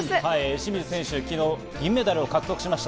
清水選手、昨日、銀メダルを獲得しました。